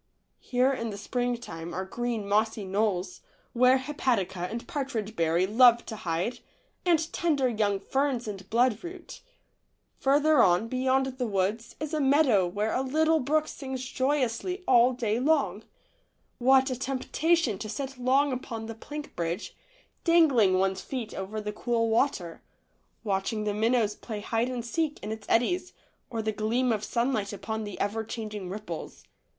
Here in the springtime are green, mossy knolls, where hepatica and partridge berry love to hide, and tender young ferns and blood root. Further on, beyond the woods, is a meadow where a little brook sings joyously GRANDMA'S WINTER VISITORS. 3 all day long. What a temptation to sit long upon the plank bridge, dangling one's feet over the cool water, watching the minnows play hide and seek in its eddies or the gleam of sunlight upon the ever changing ripples.